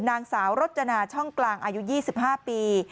นางสาวรจนาช่องกลางอายุ๒๕ปี